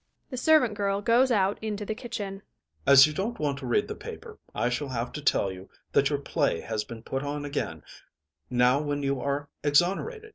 (The SERVANT GIRL goes out into the kitchen.) ADOLPHE. As you don't want to read the paper, I shall have to tell you that your play has been put on again, now when you are exonerated.